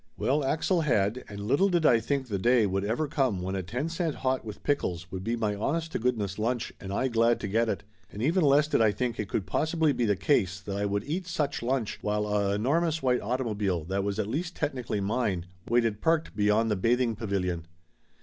Well, Axel had, and little did I think the day would ever come when a ten cent hot with pickles would be my honest to goodness lunch and I glad to get it, and even less did I think it could possibly be the case that I would eat such lunch while a enormous white automobile that was at least technically mine, waited parked beyond the bathing pavilion!